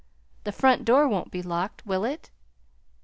The front door won't be locked, will it?"